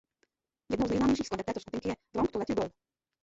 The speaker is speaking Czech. Jednou z nejznámějších skladeb této skupiny je "Wrong To Let You Go".